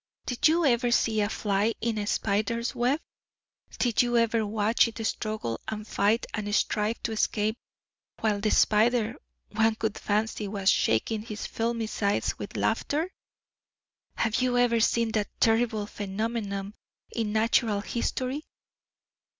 Did you ever see a fly in a spider's web? Did you ever watch it struggle and fight and strive to escape, while the spider, one could fancy, was shaking his filmy sides with laughter? Have you ever seen that terrible phenomenon in natural history?